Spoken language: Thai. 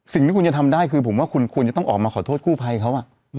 สิ่งที่คุณจะทำได้คือผมว่าคุณควรจะต้องออกมาขอโทษกู้ภัยเขา